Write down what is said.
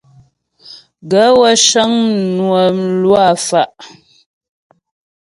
Gaə̂ wə́ cə́ŋ mnwə mlwâ fá'.